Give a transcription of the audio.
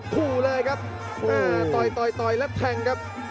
ผู้เลยครับต่อยและแทงครับ